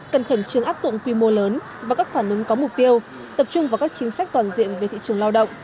cẩn thận chương áp dụng quy mô lớn và các phản ứng có mục tiêu tập trung vào các chính sách toàn diện về thị trường lao động